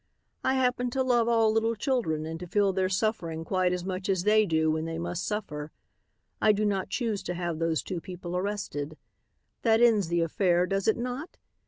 I happen to love all little children and to feel their suffering quite as much as they do when they must suffer. I do not choose to have those two people arrested. That ends the affair, does it not?